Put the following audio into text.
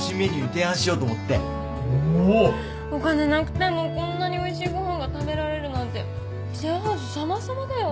お金なくてもこんなにおいしいご飯が食べられるなんてシェアハウスさまさまだよ。